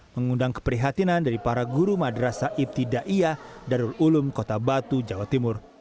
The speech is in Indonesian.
mengundang keprihatinan dari para guru madrasa ibtidaiyah darul ulum kota batu jawa timur